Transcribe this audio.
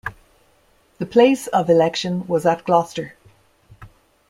The place of election was at Gloucester.